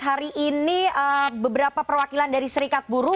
hari ini beberapa perwakilan dari serikat buruh